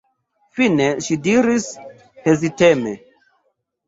Fine ŝi diris heziteme: